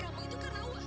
kalau bukan karena